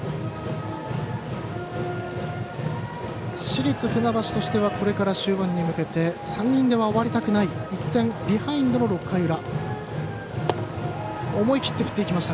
市立船橋としてはこれから終盤に向けて３人では終わりたくない１点ビハインドの６回の裏。